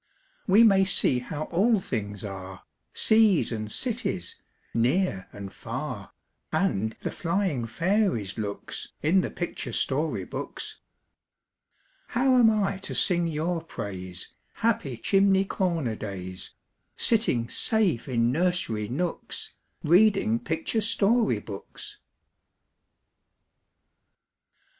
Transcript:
We may see how all things are, Seas and cities, near and far, And the flying fairies' looks, In the picture story books. How am I to sing your praise, Happy chimney corner days, Sitting safe in nursery nooks, Reading picture story books?